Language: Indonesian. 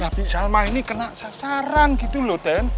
nah bisalma ini kena sasaran gitu lho den